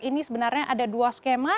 ini sebenarnya ada dua skema